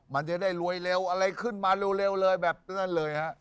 มันจะได้รวยเร็วอะไรขึ้นมาเร็วเลยแบบนั้นเลยฮะ